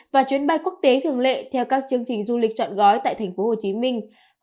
và chuyến bay quốc tế thường lệ theo các chương trình du lịch chọn gói tại thành phố hồ chí minh